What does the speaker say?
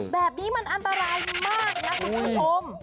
แบบนี้มันอันตรายมากนะคุณผู้ชม